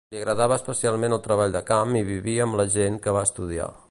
Li agradava especialment el treball de camp i vivia amb la gent que va estudiar.